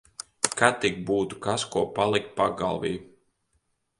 Kad tik būtu kas ko palikt pagalvī.